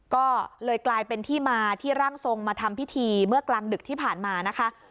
ก็เลยกลายเป็นที่มาที่ร่างทรงมาทำพิธีเมื่อกลางดึกที่ผ่านมานะคะ